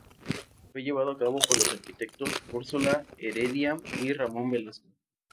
Fue llevada a cabo por los arquitectos Úrsula Heredia y Ramón Velasco.